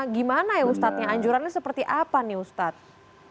gimana ya ustadznya anjurannya seperti apa nih ustadz